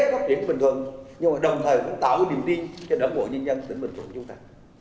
nhưng mà đồng thời cũng tạo một điểm tin cho đồng bộ nhân dân sân bình thuận chúng ta